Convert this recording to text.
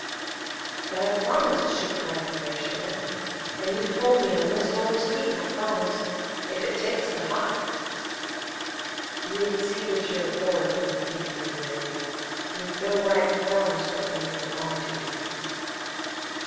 "But I promised!" she cried, impatiently. "And you've told me I must always keep my promise, 'if it takes the hide'!" "You exceeded your authority," he reiterated. "You've no right to promise what doesn't belong to you."